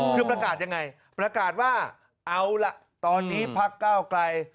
คือประกาศยังไงประกาศว่าเอาล่ะตอนนี้พักเก้าไกล